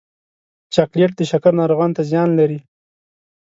چاکلېټ د شکر ناروغانو ته زیان لري.